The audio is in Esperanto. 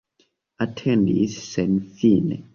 Atendis senfine.